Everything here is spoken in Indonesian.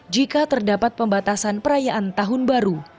jika terdapat pembatasan perayaan tahun baru